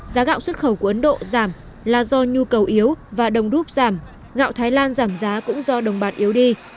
giá gạo xuất khẩu của ấn độ giảm là do nhu cầu yếu và đồng rút giảm gạo thái lan giảm giá cũng do đồng bạc yếu đi